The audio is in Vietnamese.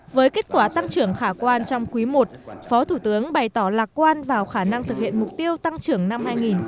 với kết quả tăng trưởng khả quan trong quý i phó thủ tướng bày tỏ lạc quan vào khả năng thực hiện mục tiêu tăng trưởng năm hai nghìn hai mươi